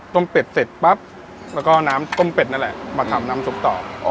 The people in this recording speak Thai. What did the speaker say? เป็ดเสร็จปั๊บแล้วก็น้ำต้มเป็ดนั่นแหละมาทำน้ำซุปต่อ